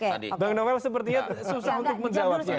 bang noel sepertinya susah untuk menjawab